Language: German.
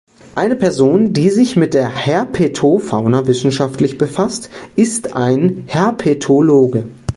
Eine Person, die sich mit der Herpetofauna wissenschaftlich befasst, ist ein Herpetologe.